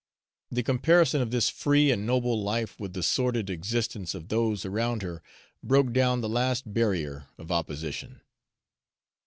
The comparison of this free and noble life with the sordid existence of those around her broke down the last barrier of opposition.